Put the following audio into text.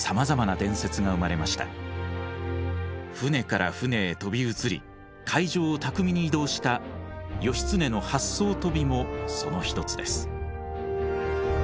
舟から舟へ飛び移り海上を巧みに移動した義経の八艘飛びもその一つです。